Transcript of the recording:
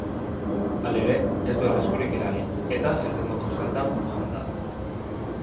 Halere, ez du arriskurik eragin, eta erritmo konstantean joan da.